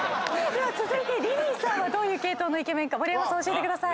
では続いてリリーさんはどういう系統のイケメンか盛山さん教えてください。